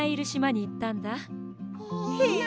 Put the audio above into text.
へえ。